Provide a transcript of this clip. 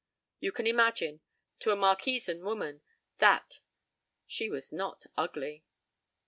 You can imagine—to a Marquesan woman! That! She was not ugly!